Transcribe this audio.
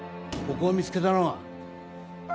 ここを見つけたのは。